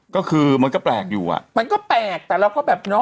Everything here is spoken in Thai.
ก็คือมันก็แปลกอยู่อ่ะมันก็แปลกแต่เราก็แบบเนาะ